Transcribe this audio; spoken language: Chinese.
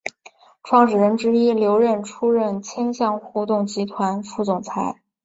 创始人之一刘韧出任千橡互动集团副总裁。